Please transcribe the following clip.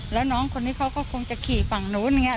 แล้วน้องคนนี้เขาก็คงจะขี่ฝั่งนู้นอย่างนี้